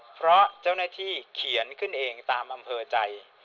เพราะเจ้าหน้าที่เขียนขึ้นเองตามอำเภอใจ